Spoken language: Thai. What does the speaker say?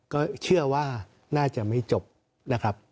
ก็เชื่อว่าน่าจะไม่จบนะครับ